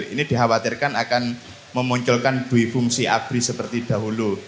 ini dikhawatirkan akan memunculkan dui fungsi abri seperti dahulu